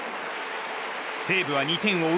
西武は２点を追う